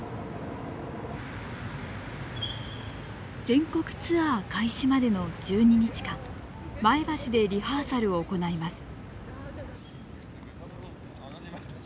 全国ツアー開始までの１２日間前橋でリハーサルを行います。